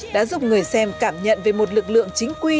đã giúp người xem cảm nhận về một lực lượng chính quy